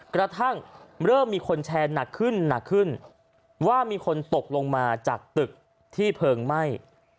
กระทั่งเริ่มมีคนแชร์หนักขึ้นหนักขึ้นว่ามีคนตกลงมาจากตึกที่เพลิงไหม้